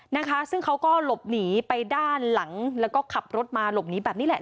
นะคะซึ่งเขาก็หลบหนีไปด้านหลังแล้วก็ขับรถมาหลบหนีแบบนี้แหละ